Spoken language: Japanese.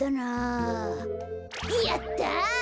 やった。